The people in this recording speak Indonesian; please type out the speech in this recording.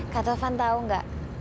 kak taufan tahu nggak